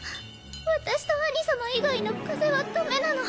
私と兄さま以外の風はダメなの。